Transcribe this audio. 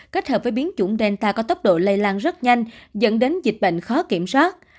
kết hợp với biến chủng delta có tốc độ lây lan rất nhanh dẫn đến dịch bệnh khó kiểm soát